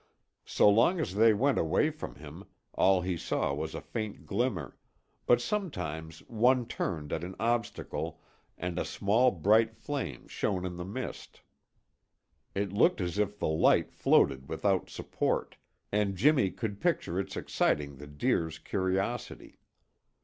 So long as they went away from him, all he saw was a faint glimmer, but sometimes one turned at an obstacle and a small bright flame shone in the mist. It looked as if the light floated without support and Jimmy could picture its exciting the deer's curiosity.